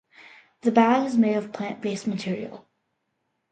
The bag is made of plant-based material.